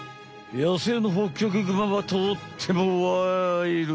野生のホッキョクグマはとってもワイルド。